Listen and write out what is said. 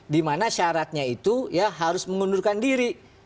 dimana syaratnya itu ya harus mengundurkan diri